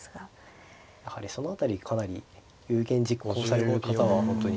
やはりその辺りかなり有言実行される方は本当に。